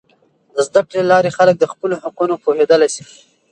د زده کړې له لارې، خلک د خپلو حقونو پوهیدلی سي.